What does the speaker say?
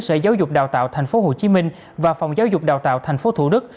sở giáo dục đào tạo tp hcm và phòng giáo dục đào tạo tp thủ đức